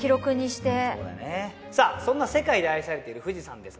そんな世界で愛されている富士山ですね